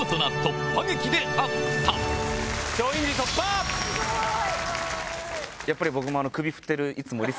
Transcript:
すごい！